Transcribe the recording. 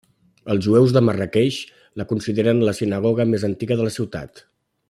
Els jueus de Marràqueix la consideren la sinagoga més antiga de la ciutat.